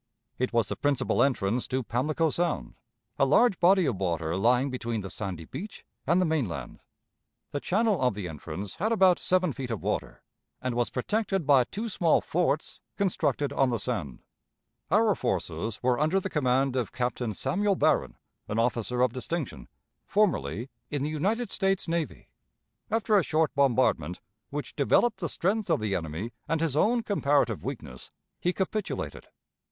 It was the principal entrance to Pamlico Sound, a large body of water lying between the sandy beach and the mainland. The channel of the entrance had about seven feet of water, and was protected by two small forts constructed on the sand. Our forces were under the command of Captain Samuel Barron, an officer of distinction, formerly in the United States Navy. After a short bombardment, which developed the strength of the enemy and his own comparative weakness, he capitulated.